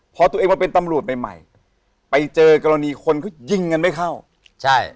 พอตัวเองมาเป็นตำรวจใหม่ใหม่ไปเจอกรณีคนเขายิงกันไม่เข้าใช่